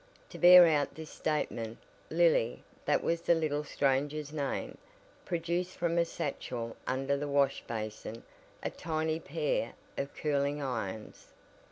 To bear out this statement, Lily, that was the little stranger's name, produced from a satchel under the wash basin a tiny pair of curling irons.